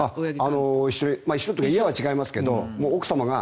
一緒にというか家は違いますけど奥様が。